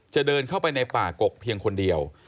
เดินเข้าไปในป่ากกเพียงคนเดียว